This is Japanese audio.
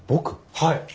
はい。